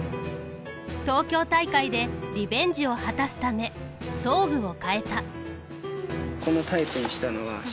東京大会でリベンジを果たすため装具を変えた。